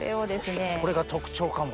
これが特徴かも。